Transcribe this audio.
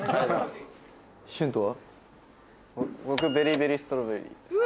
僕ベリーベリーストロベリー。